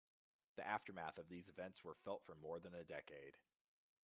The aftermath of these events were felt for more than a decade.